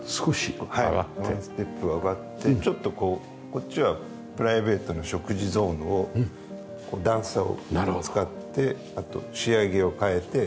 ワンステップ上がってちょっとこうこっちはプライベートの食事ゾーンを段差を使ってあと仕上げを変えて。